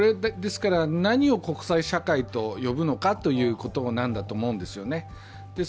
ですから、何を国際社会と呼ぶのかということなんだと思うんですよね。